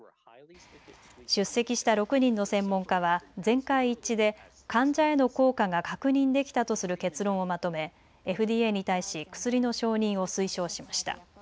出席した６人の専門家は全会一致で患者への効果が確認できたとする結論をまとめ、ＦＤＡに対し薬の承認を推奨しました。